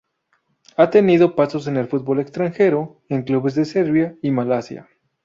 Ha tenido pasos en el fútbol extranjero en clubes de Serbia y Malasia.